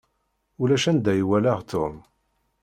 Ulac anda i walaɣ Tom.